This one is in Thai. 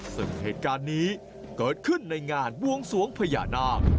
ซึ่งเหตุการณ์นี้เกิดขึ้นในงานบวงสวงพญานาค